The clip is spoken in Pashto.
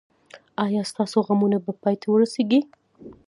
ایا ستاسو غمونه به پای ته ورسیږي؟